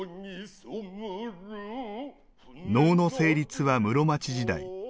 能の成立は室町時代。